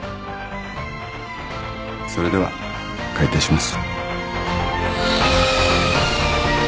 それでは開廷します。